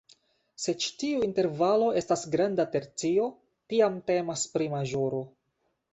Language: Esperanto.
Se ĉi tiu intervalo estas granda tercio, tiam temas pri maĵoro.